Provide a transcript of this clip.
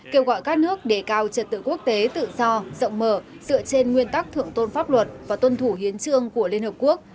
kêu gọi các nước đề cao trật tự quốc tế tự do rộng mở dựa trên nguyên tắc thượng tôn pháp luật và tuân thủ hiến trương của liên hợp quốc